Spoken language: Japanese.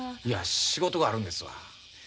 いや仕事があるんですわ。